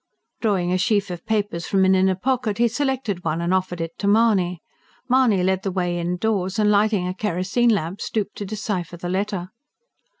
Drawing a sheaf of papers from an inner pocket, he selected one and offered it to Mahony. Mahony led the way indoors, and lighting a kerosene lamp stooped to decipher the letter.